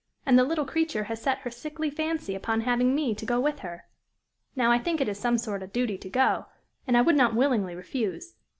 And the little creature has set her sickly fancy upon having me to go with her. Now, I think it is some sort a duty to go, and I would not willingly refuse.